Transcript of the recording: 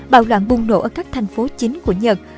bạo loạn bùng nổ ở các thành phố chính của nhật